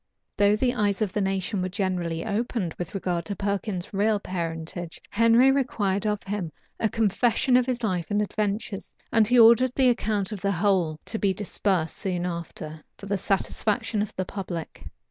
Though the eyes of the nation were generally opened with regard to Perkin's real parentage, Henry required of him a confession of his life and adventures; and he ordered the account of the whole to be dispersed soon after, for the satisfaction of the public.